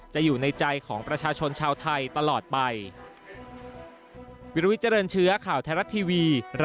อยู่ในใจของประชาชนชาวไทยตลอดไป